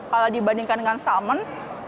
kalau dibandingkan dengan salmon